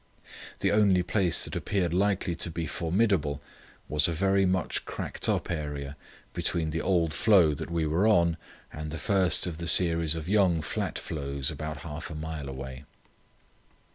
The only place that appeared likely to be formidable was a very much cracked up area between the old floe that we were on and the first of the series of young flat floes about half a mile away.